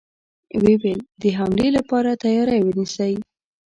و يې ويل: د حملې له پاره تياری ونيسئ!